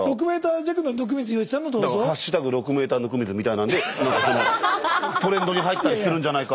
だから「＃６ｍ温水」みたいなんで何かそのトレンドに入ったりするんじゃないか。